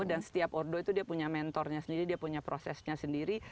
dan setiap ordo itu dia punya mentornya sendiri dia punya prosesnya sendiri